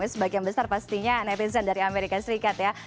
sebagian besar pastinya netizen dari amerika serikat ya